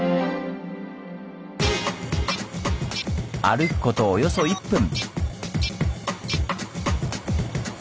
歩くことおよそ１分。